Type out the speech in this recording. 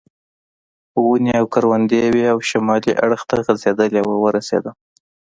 ونې او کروندې وې او شمالي اړخ ته غځېدلې وه ورسېدم.